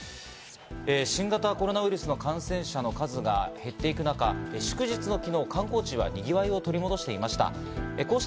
新型コロナウイルスの感染者の数が減っていく中、祝日の昨日、観光地はにぎわいを取り戻していました。